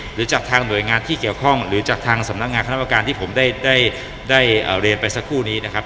หรือจากทางหน่วยงานที่เกี่ยวข้องหรือจากทางสำนักงานคณะกรรมการที่ผมได้เรียนไปสักครู่นี้นะครับ